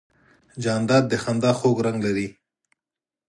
جانداد د خندا خوږ رنګ لري.